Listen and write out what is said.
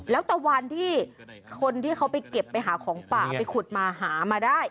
แล้วตะวันที่คนที่เขาไปเก็บไปหาของป่าไปขุดมาหามาได้